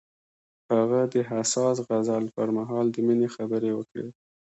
هغه د حساس غزل پر مهال د مینې خبرې وکړې.